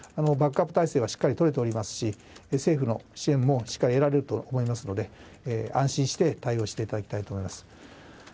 バックアップ態勢はしっかり取れていますし、政府の支援も得られると思いますので安心して対応していただきたいです。